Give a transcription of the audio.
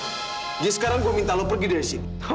jadi sekarang gue minta lu pergi dari sini